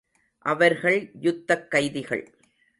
அவர்கள் யுத்தக் கைதிகள்.